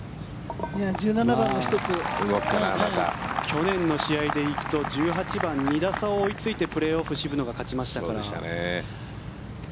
去年の試合で行くと１８番、２打差を追いついてプレーオフ渋野が勝ちましたから。